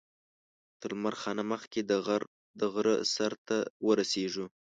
تر لمر خاته مخکې د غره سر ته ورسېږو.